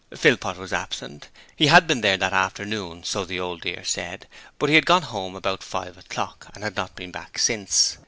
Philpot was absent. He had been there that afternoon, so the Old Dear said, but he had gone home about five o'clock, and had not been back since.